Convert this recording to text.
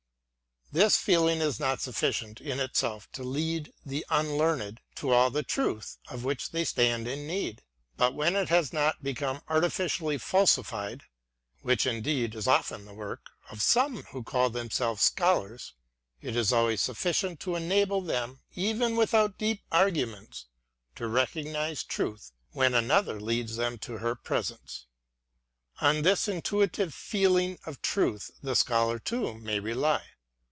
This feeling is not sufficient in itself to lead the unlearned to all the truth of which they stand in need ; but when it has not become artificially falsified (which indeed is often the work of some who call themselves Scholars) it is always sufficient to enable them, even with out deep argument, to recognise truth when another leads them to her presence. On this intuitive feeling of truth the Scholar too may rely.